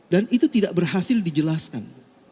dan itu tidak berhasil dijelaskan